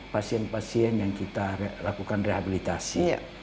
pasien pasien yang kita lakukan rehabilitasi